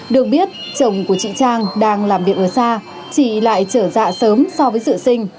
được biết chồng của chị trang đang làm việc ở xa chị lại trở dạ sớm so với dự sinh